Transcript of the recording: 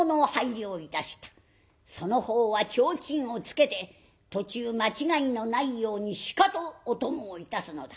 その方はちょうちんをつけて途中間違いのないようにしかとお供をいたすのだ。